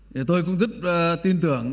thì tôi cũng rất tin tưởng